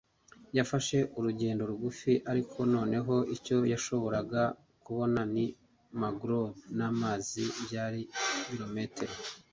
Yafashe urugendo rugufi, ariko noneho icyo yashoboraga kubona ni mangrove n'amazi byari ibirometero.